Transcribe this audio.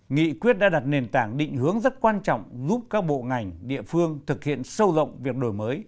nghị quyết đã đặt nền tảng định hướng rất quan trọng giúp các bộ ngành địa phương thực hiện sâu rộng việc đổi mới